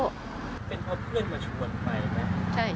ก็เป็นเพราะเพื่อนมาชวนไปไหม